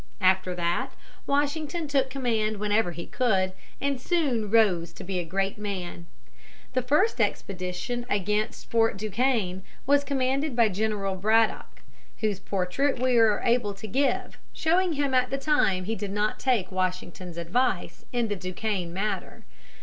After that Washington took command whenever he could, and soon rose to be a great man. The first expedition against Fort Duquesne (pronounced du kane) was commanded by General Braddock, whose portrait we are able to give, showing him at the time he did not take Washington's advice in the Duquesne matter.